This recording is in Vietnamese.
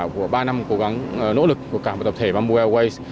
của ba năm cố gắng nỗ lực của cả một tập thể bamboo airways